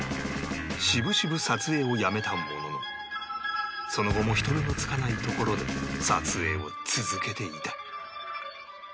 しぶしぶ撮影をやめたもののその後も人目の付かない所で撮影を続けていた